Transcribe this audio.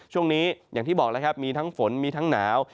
ช่วงนี้อย่างที่บอกแล้วครับมีทั้งฝนมีทั้งหนาว